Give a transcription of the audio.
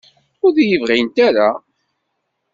Ur d-iyi-bɣint ara?